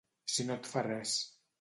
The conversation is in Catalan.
Si no et fa res.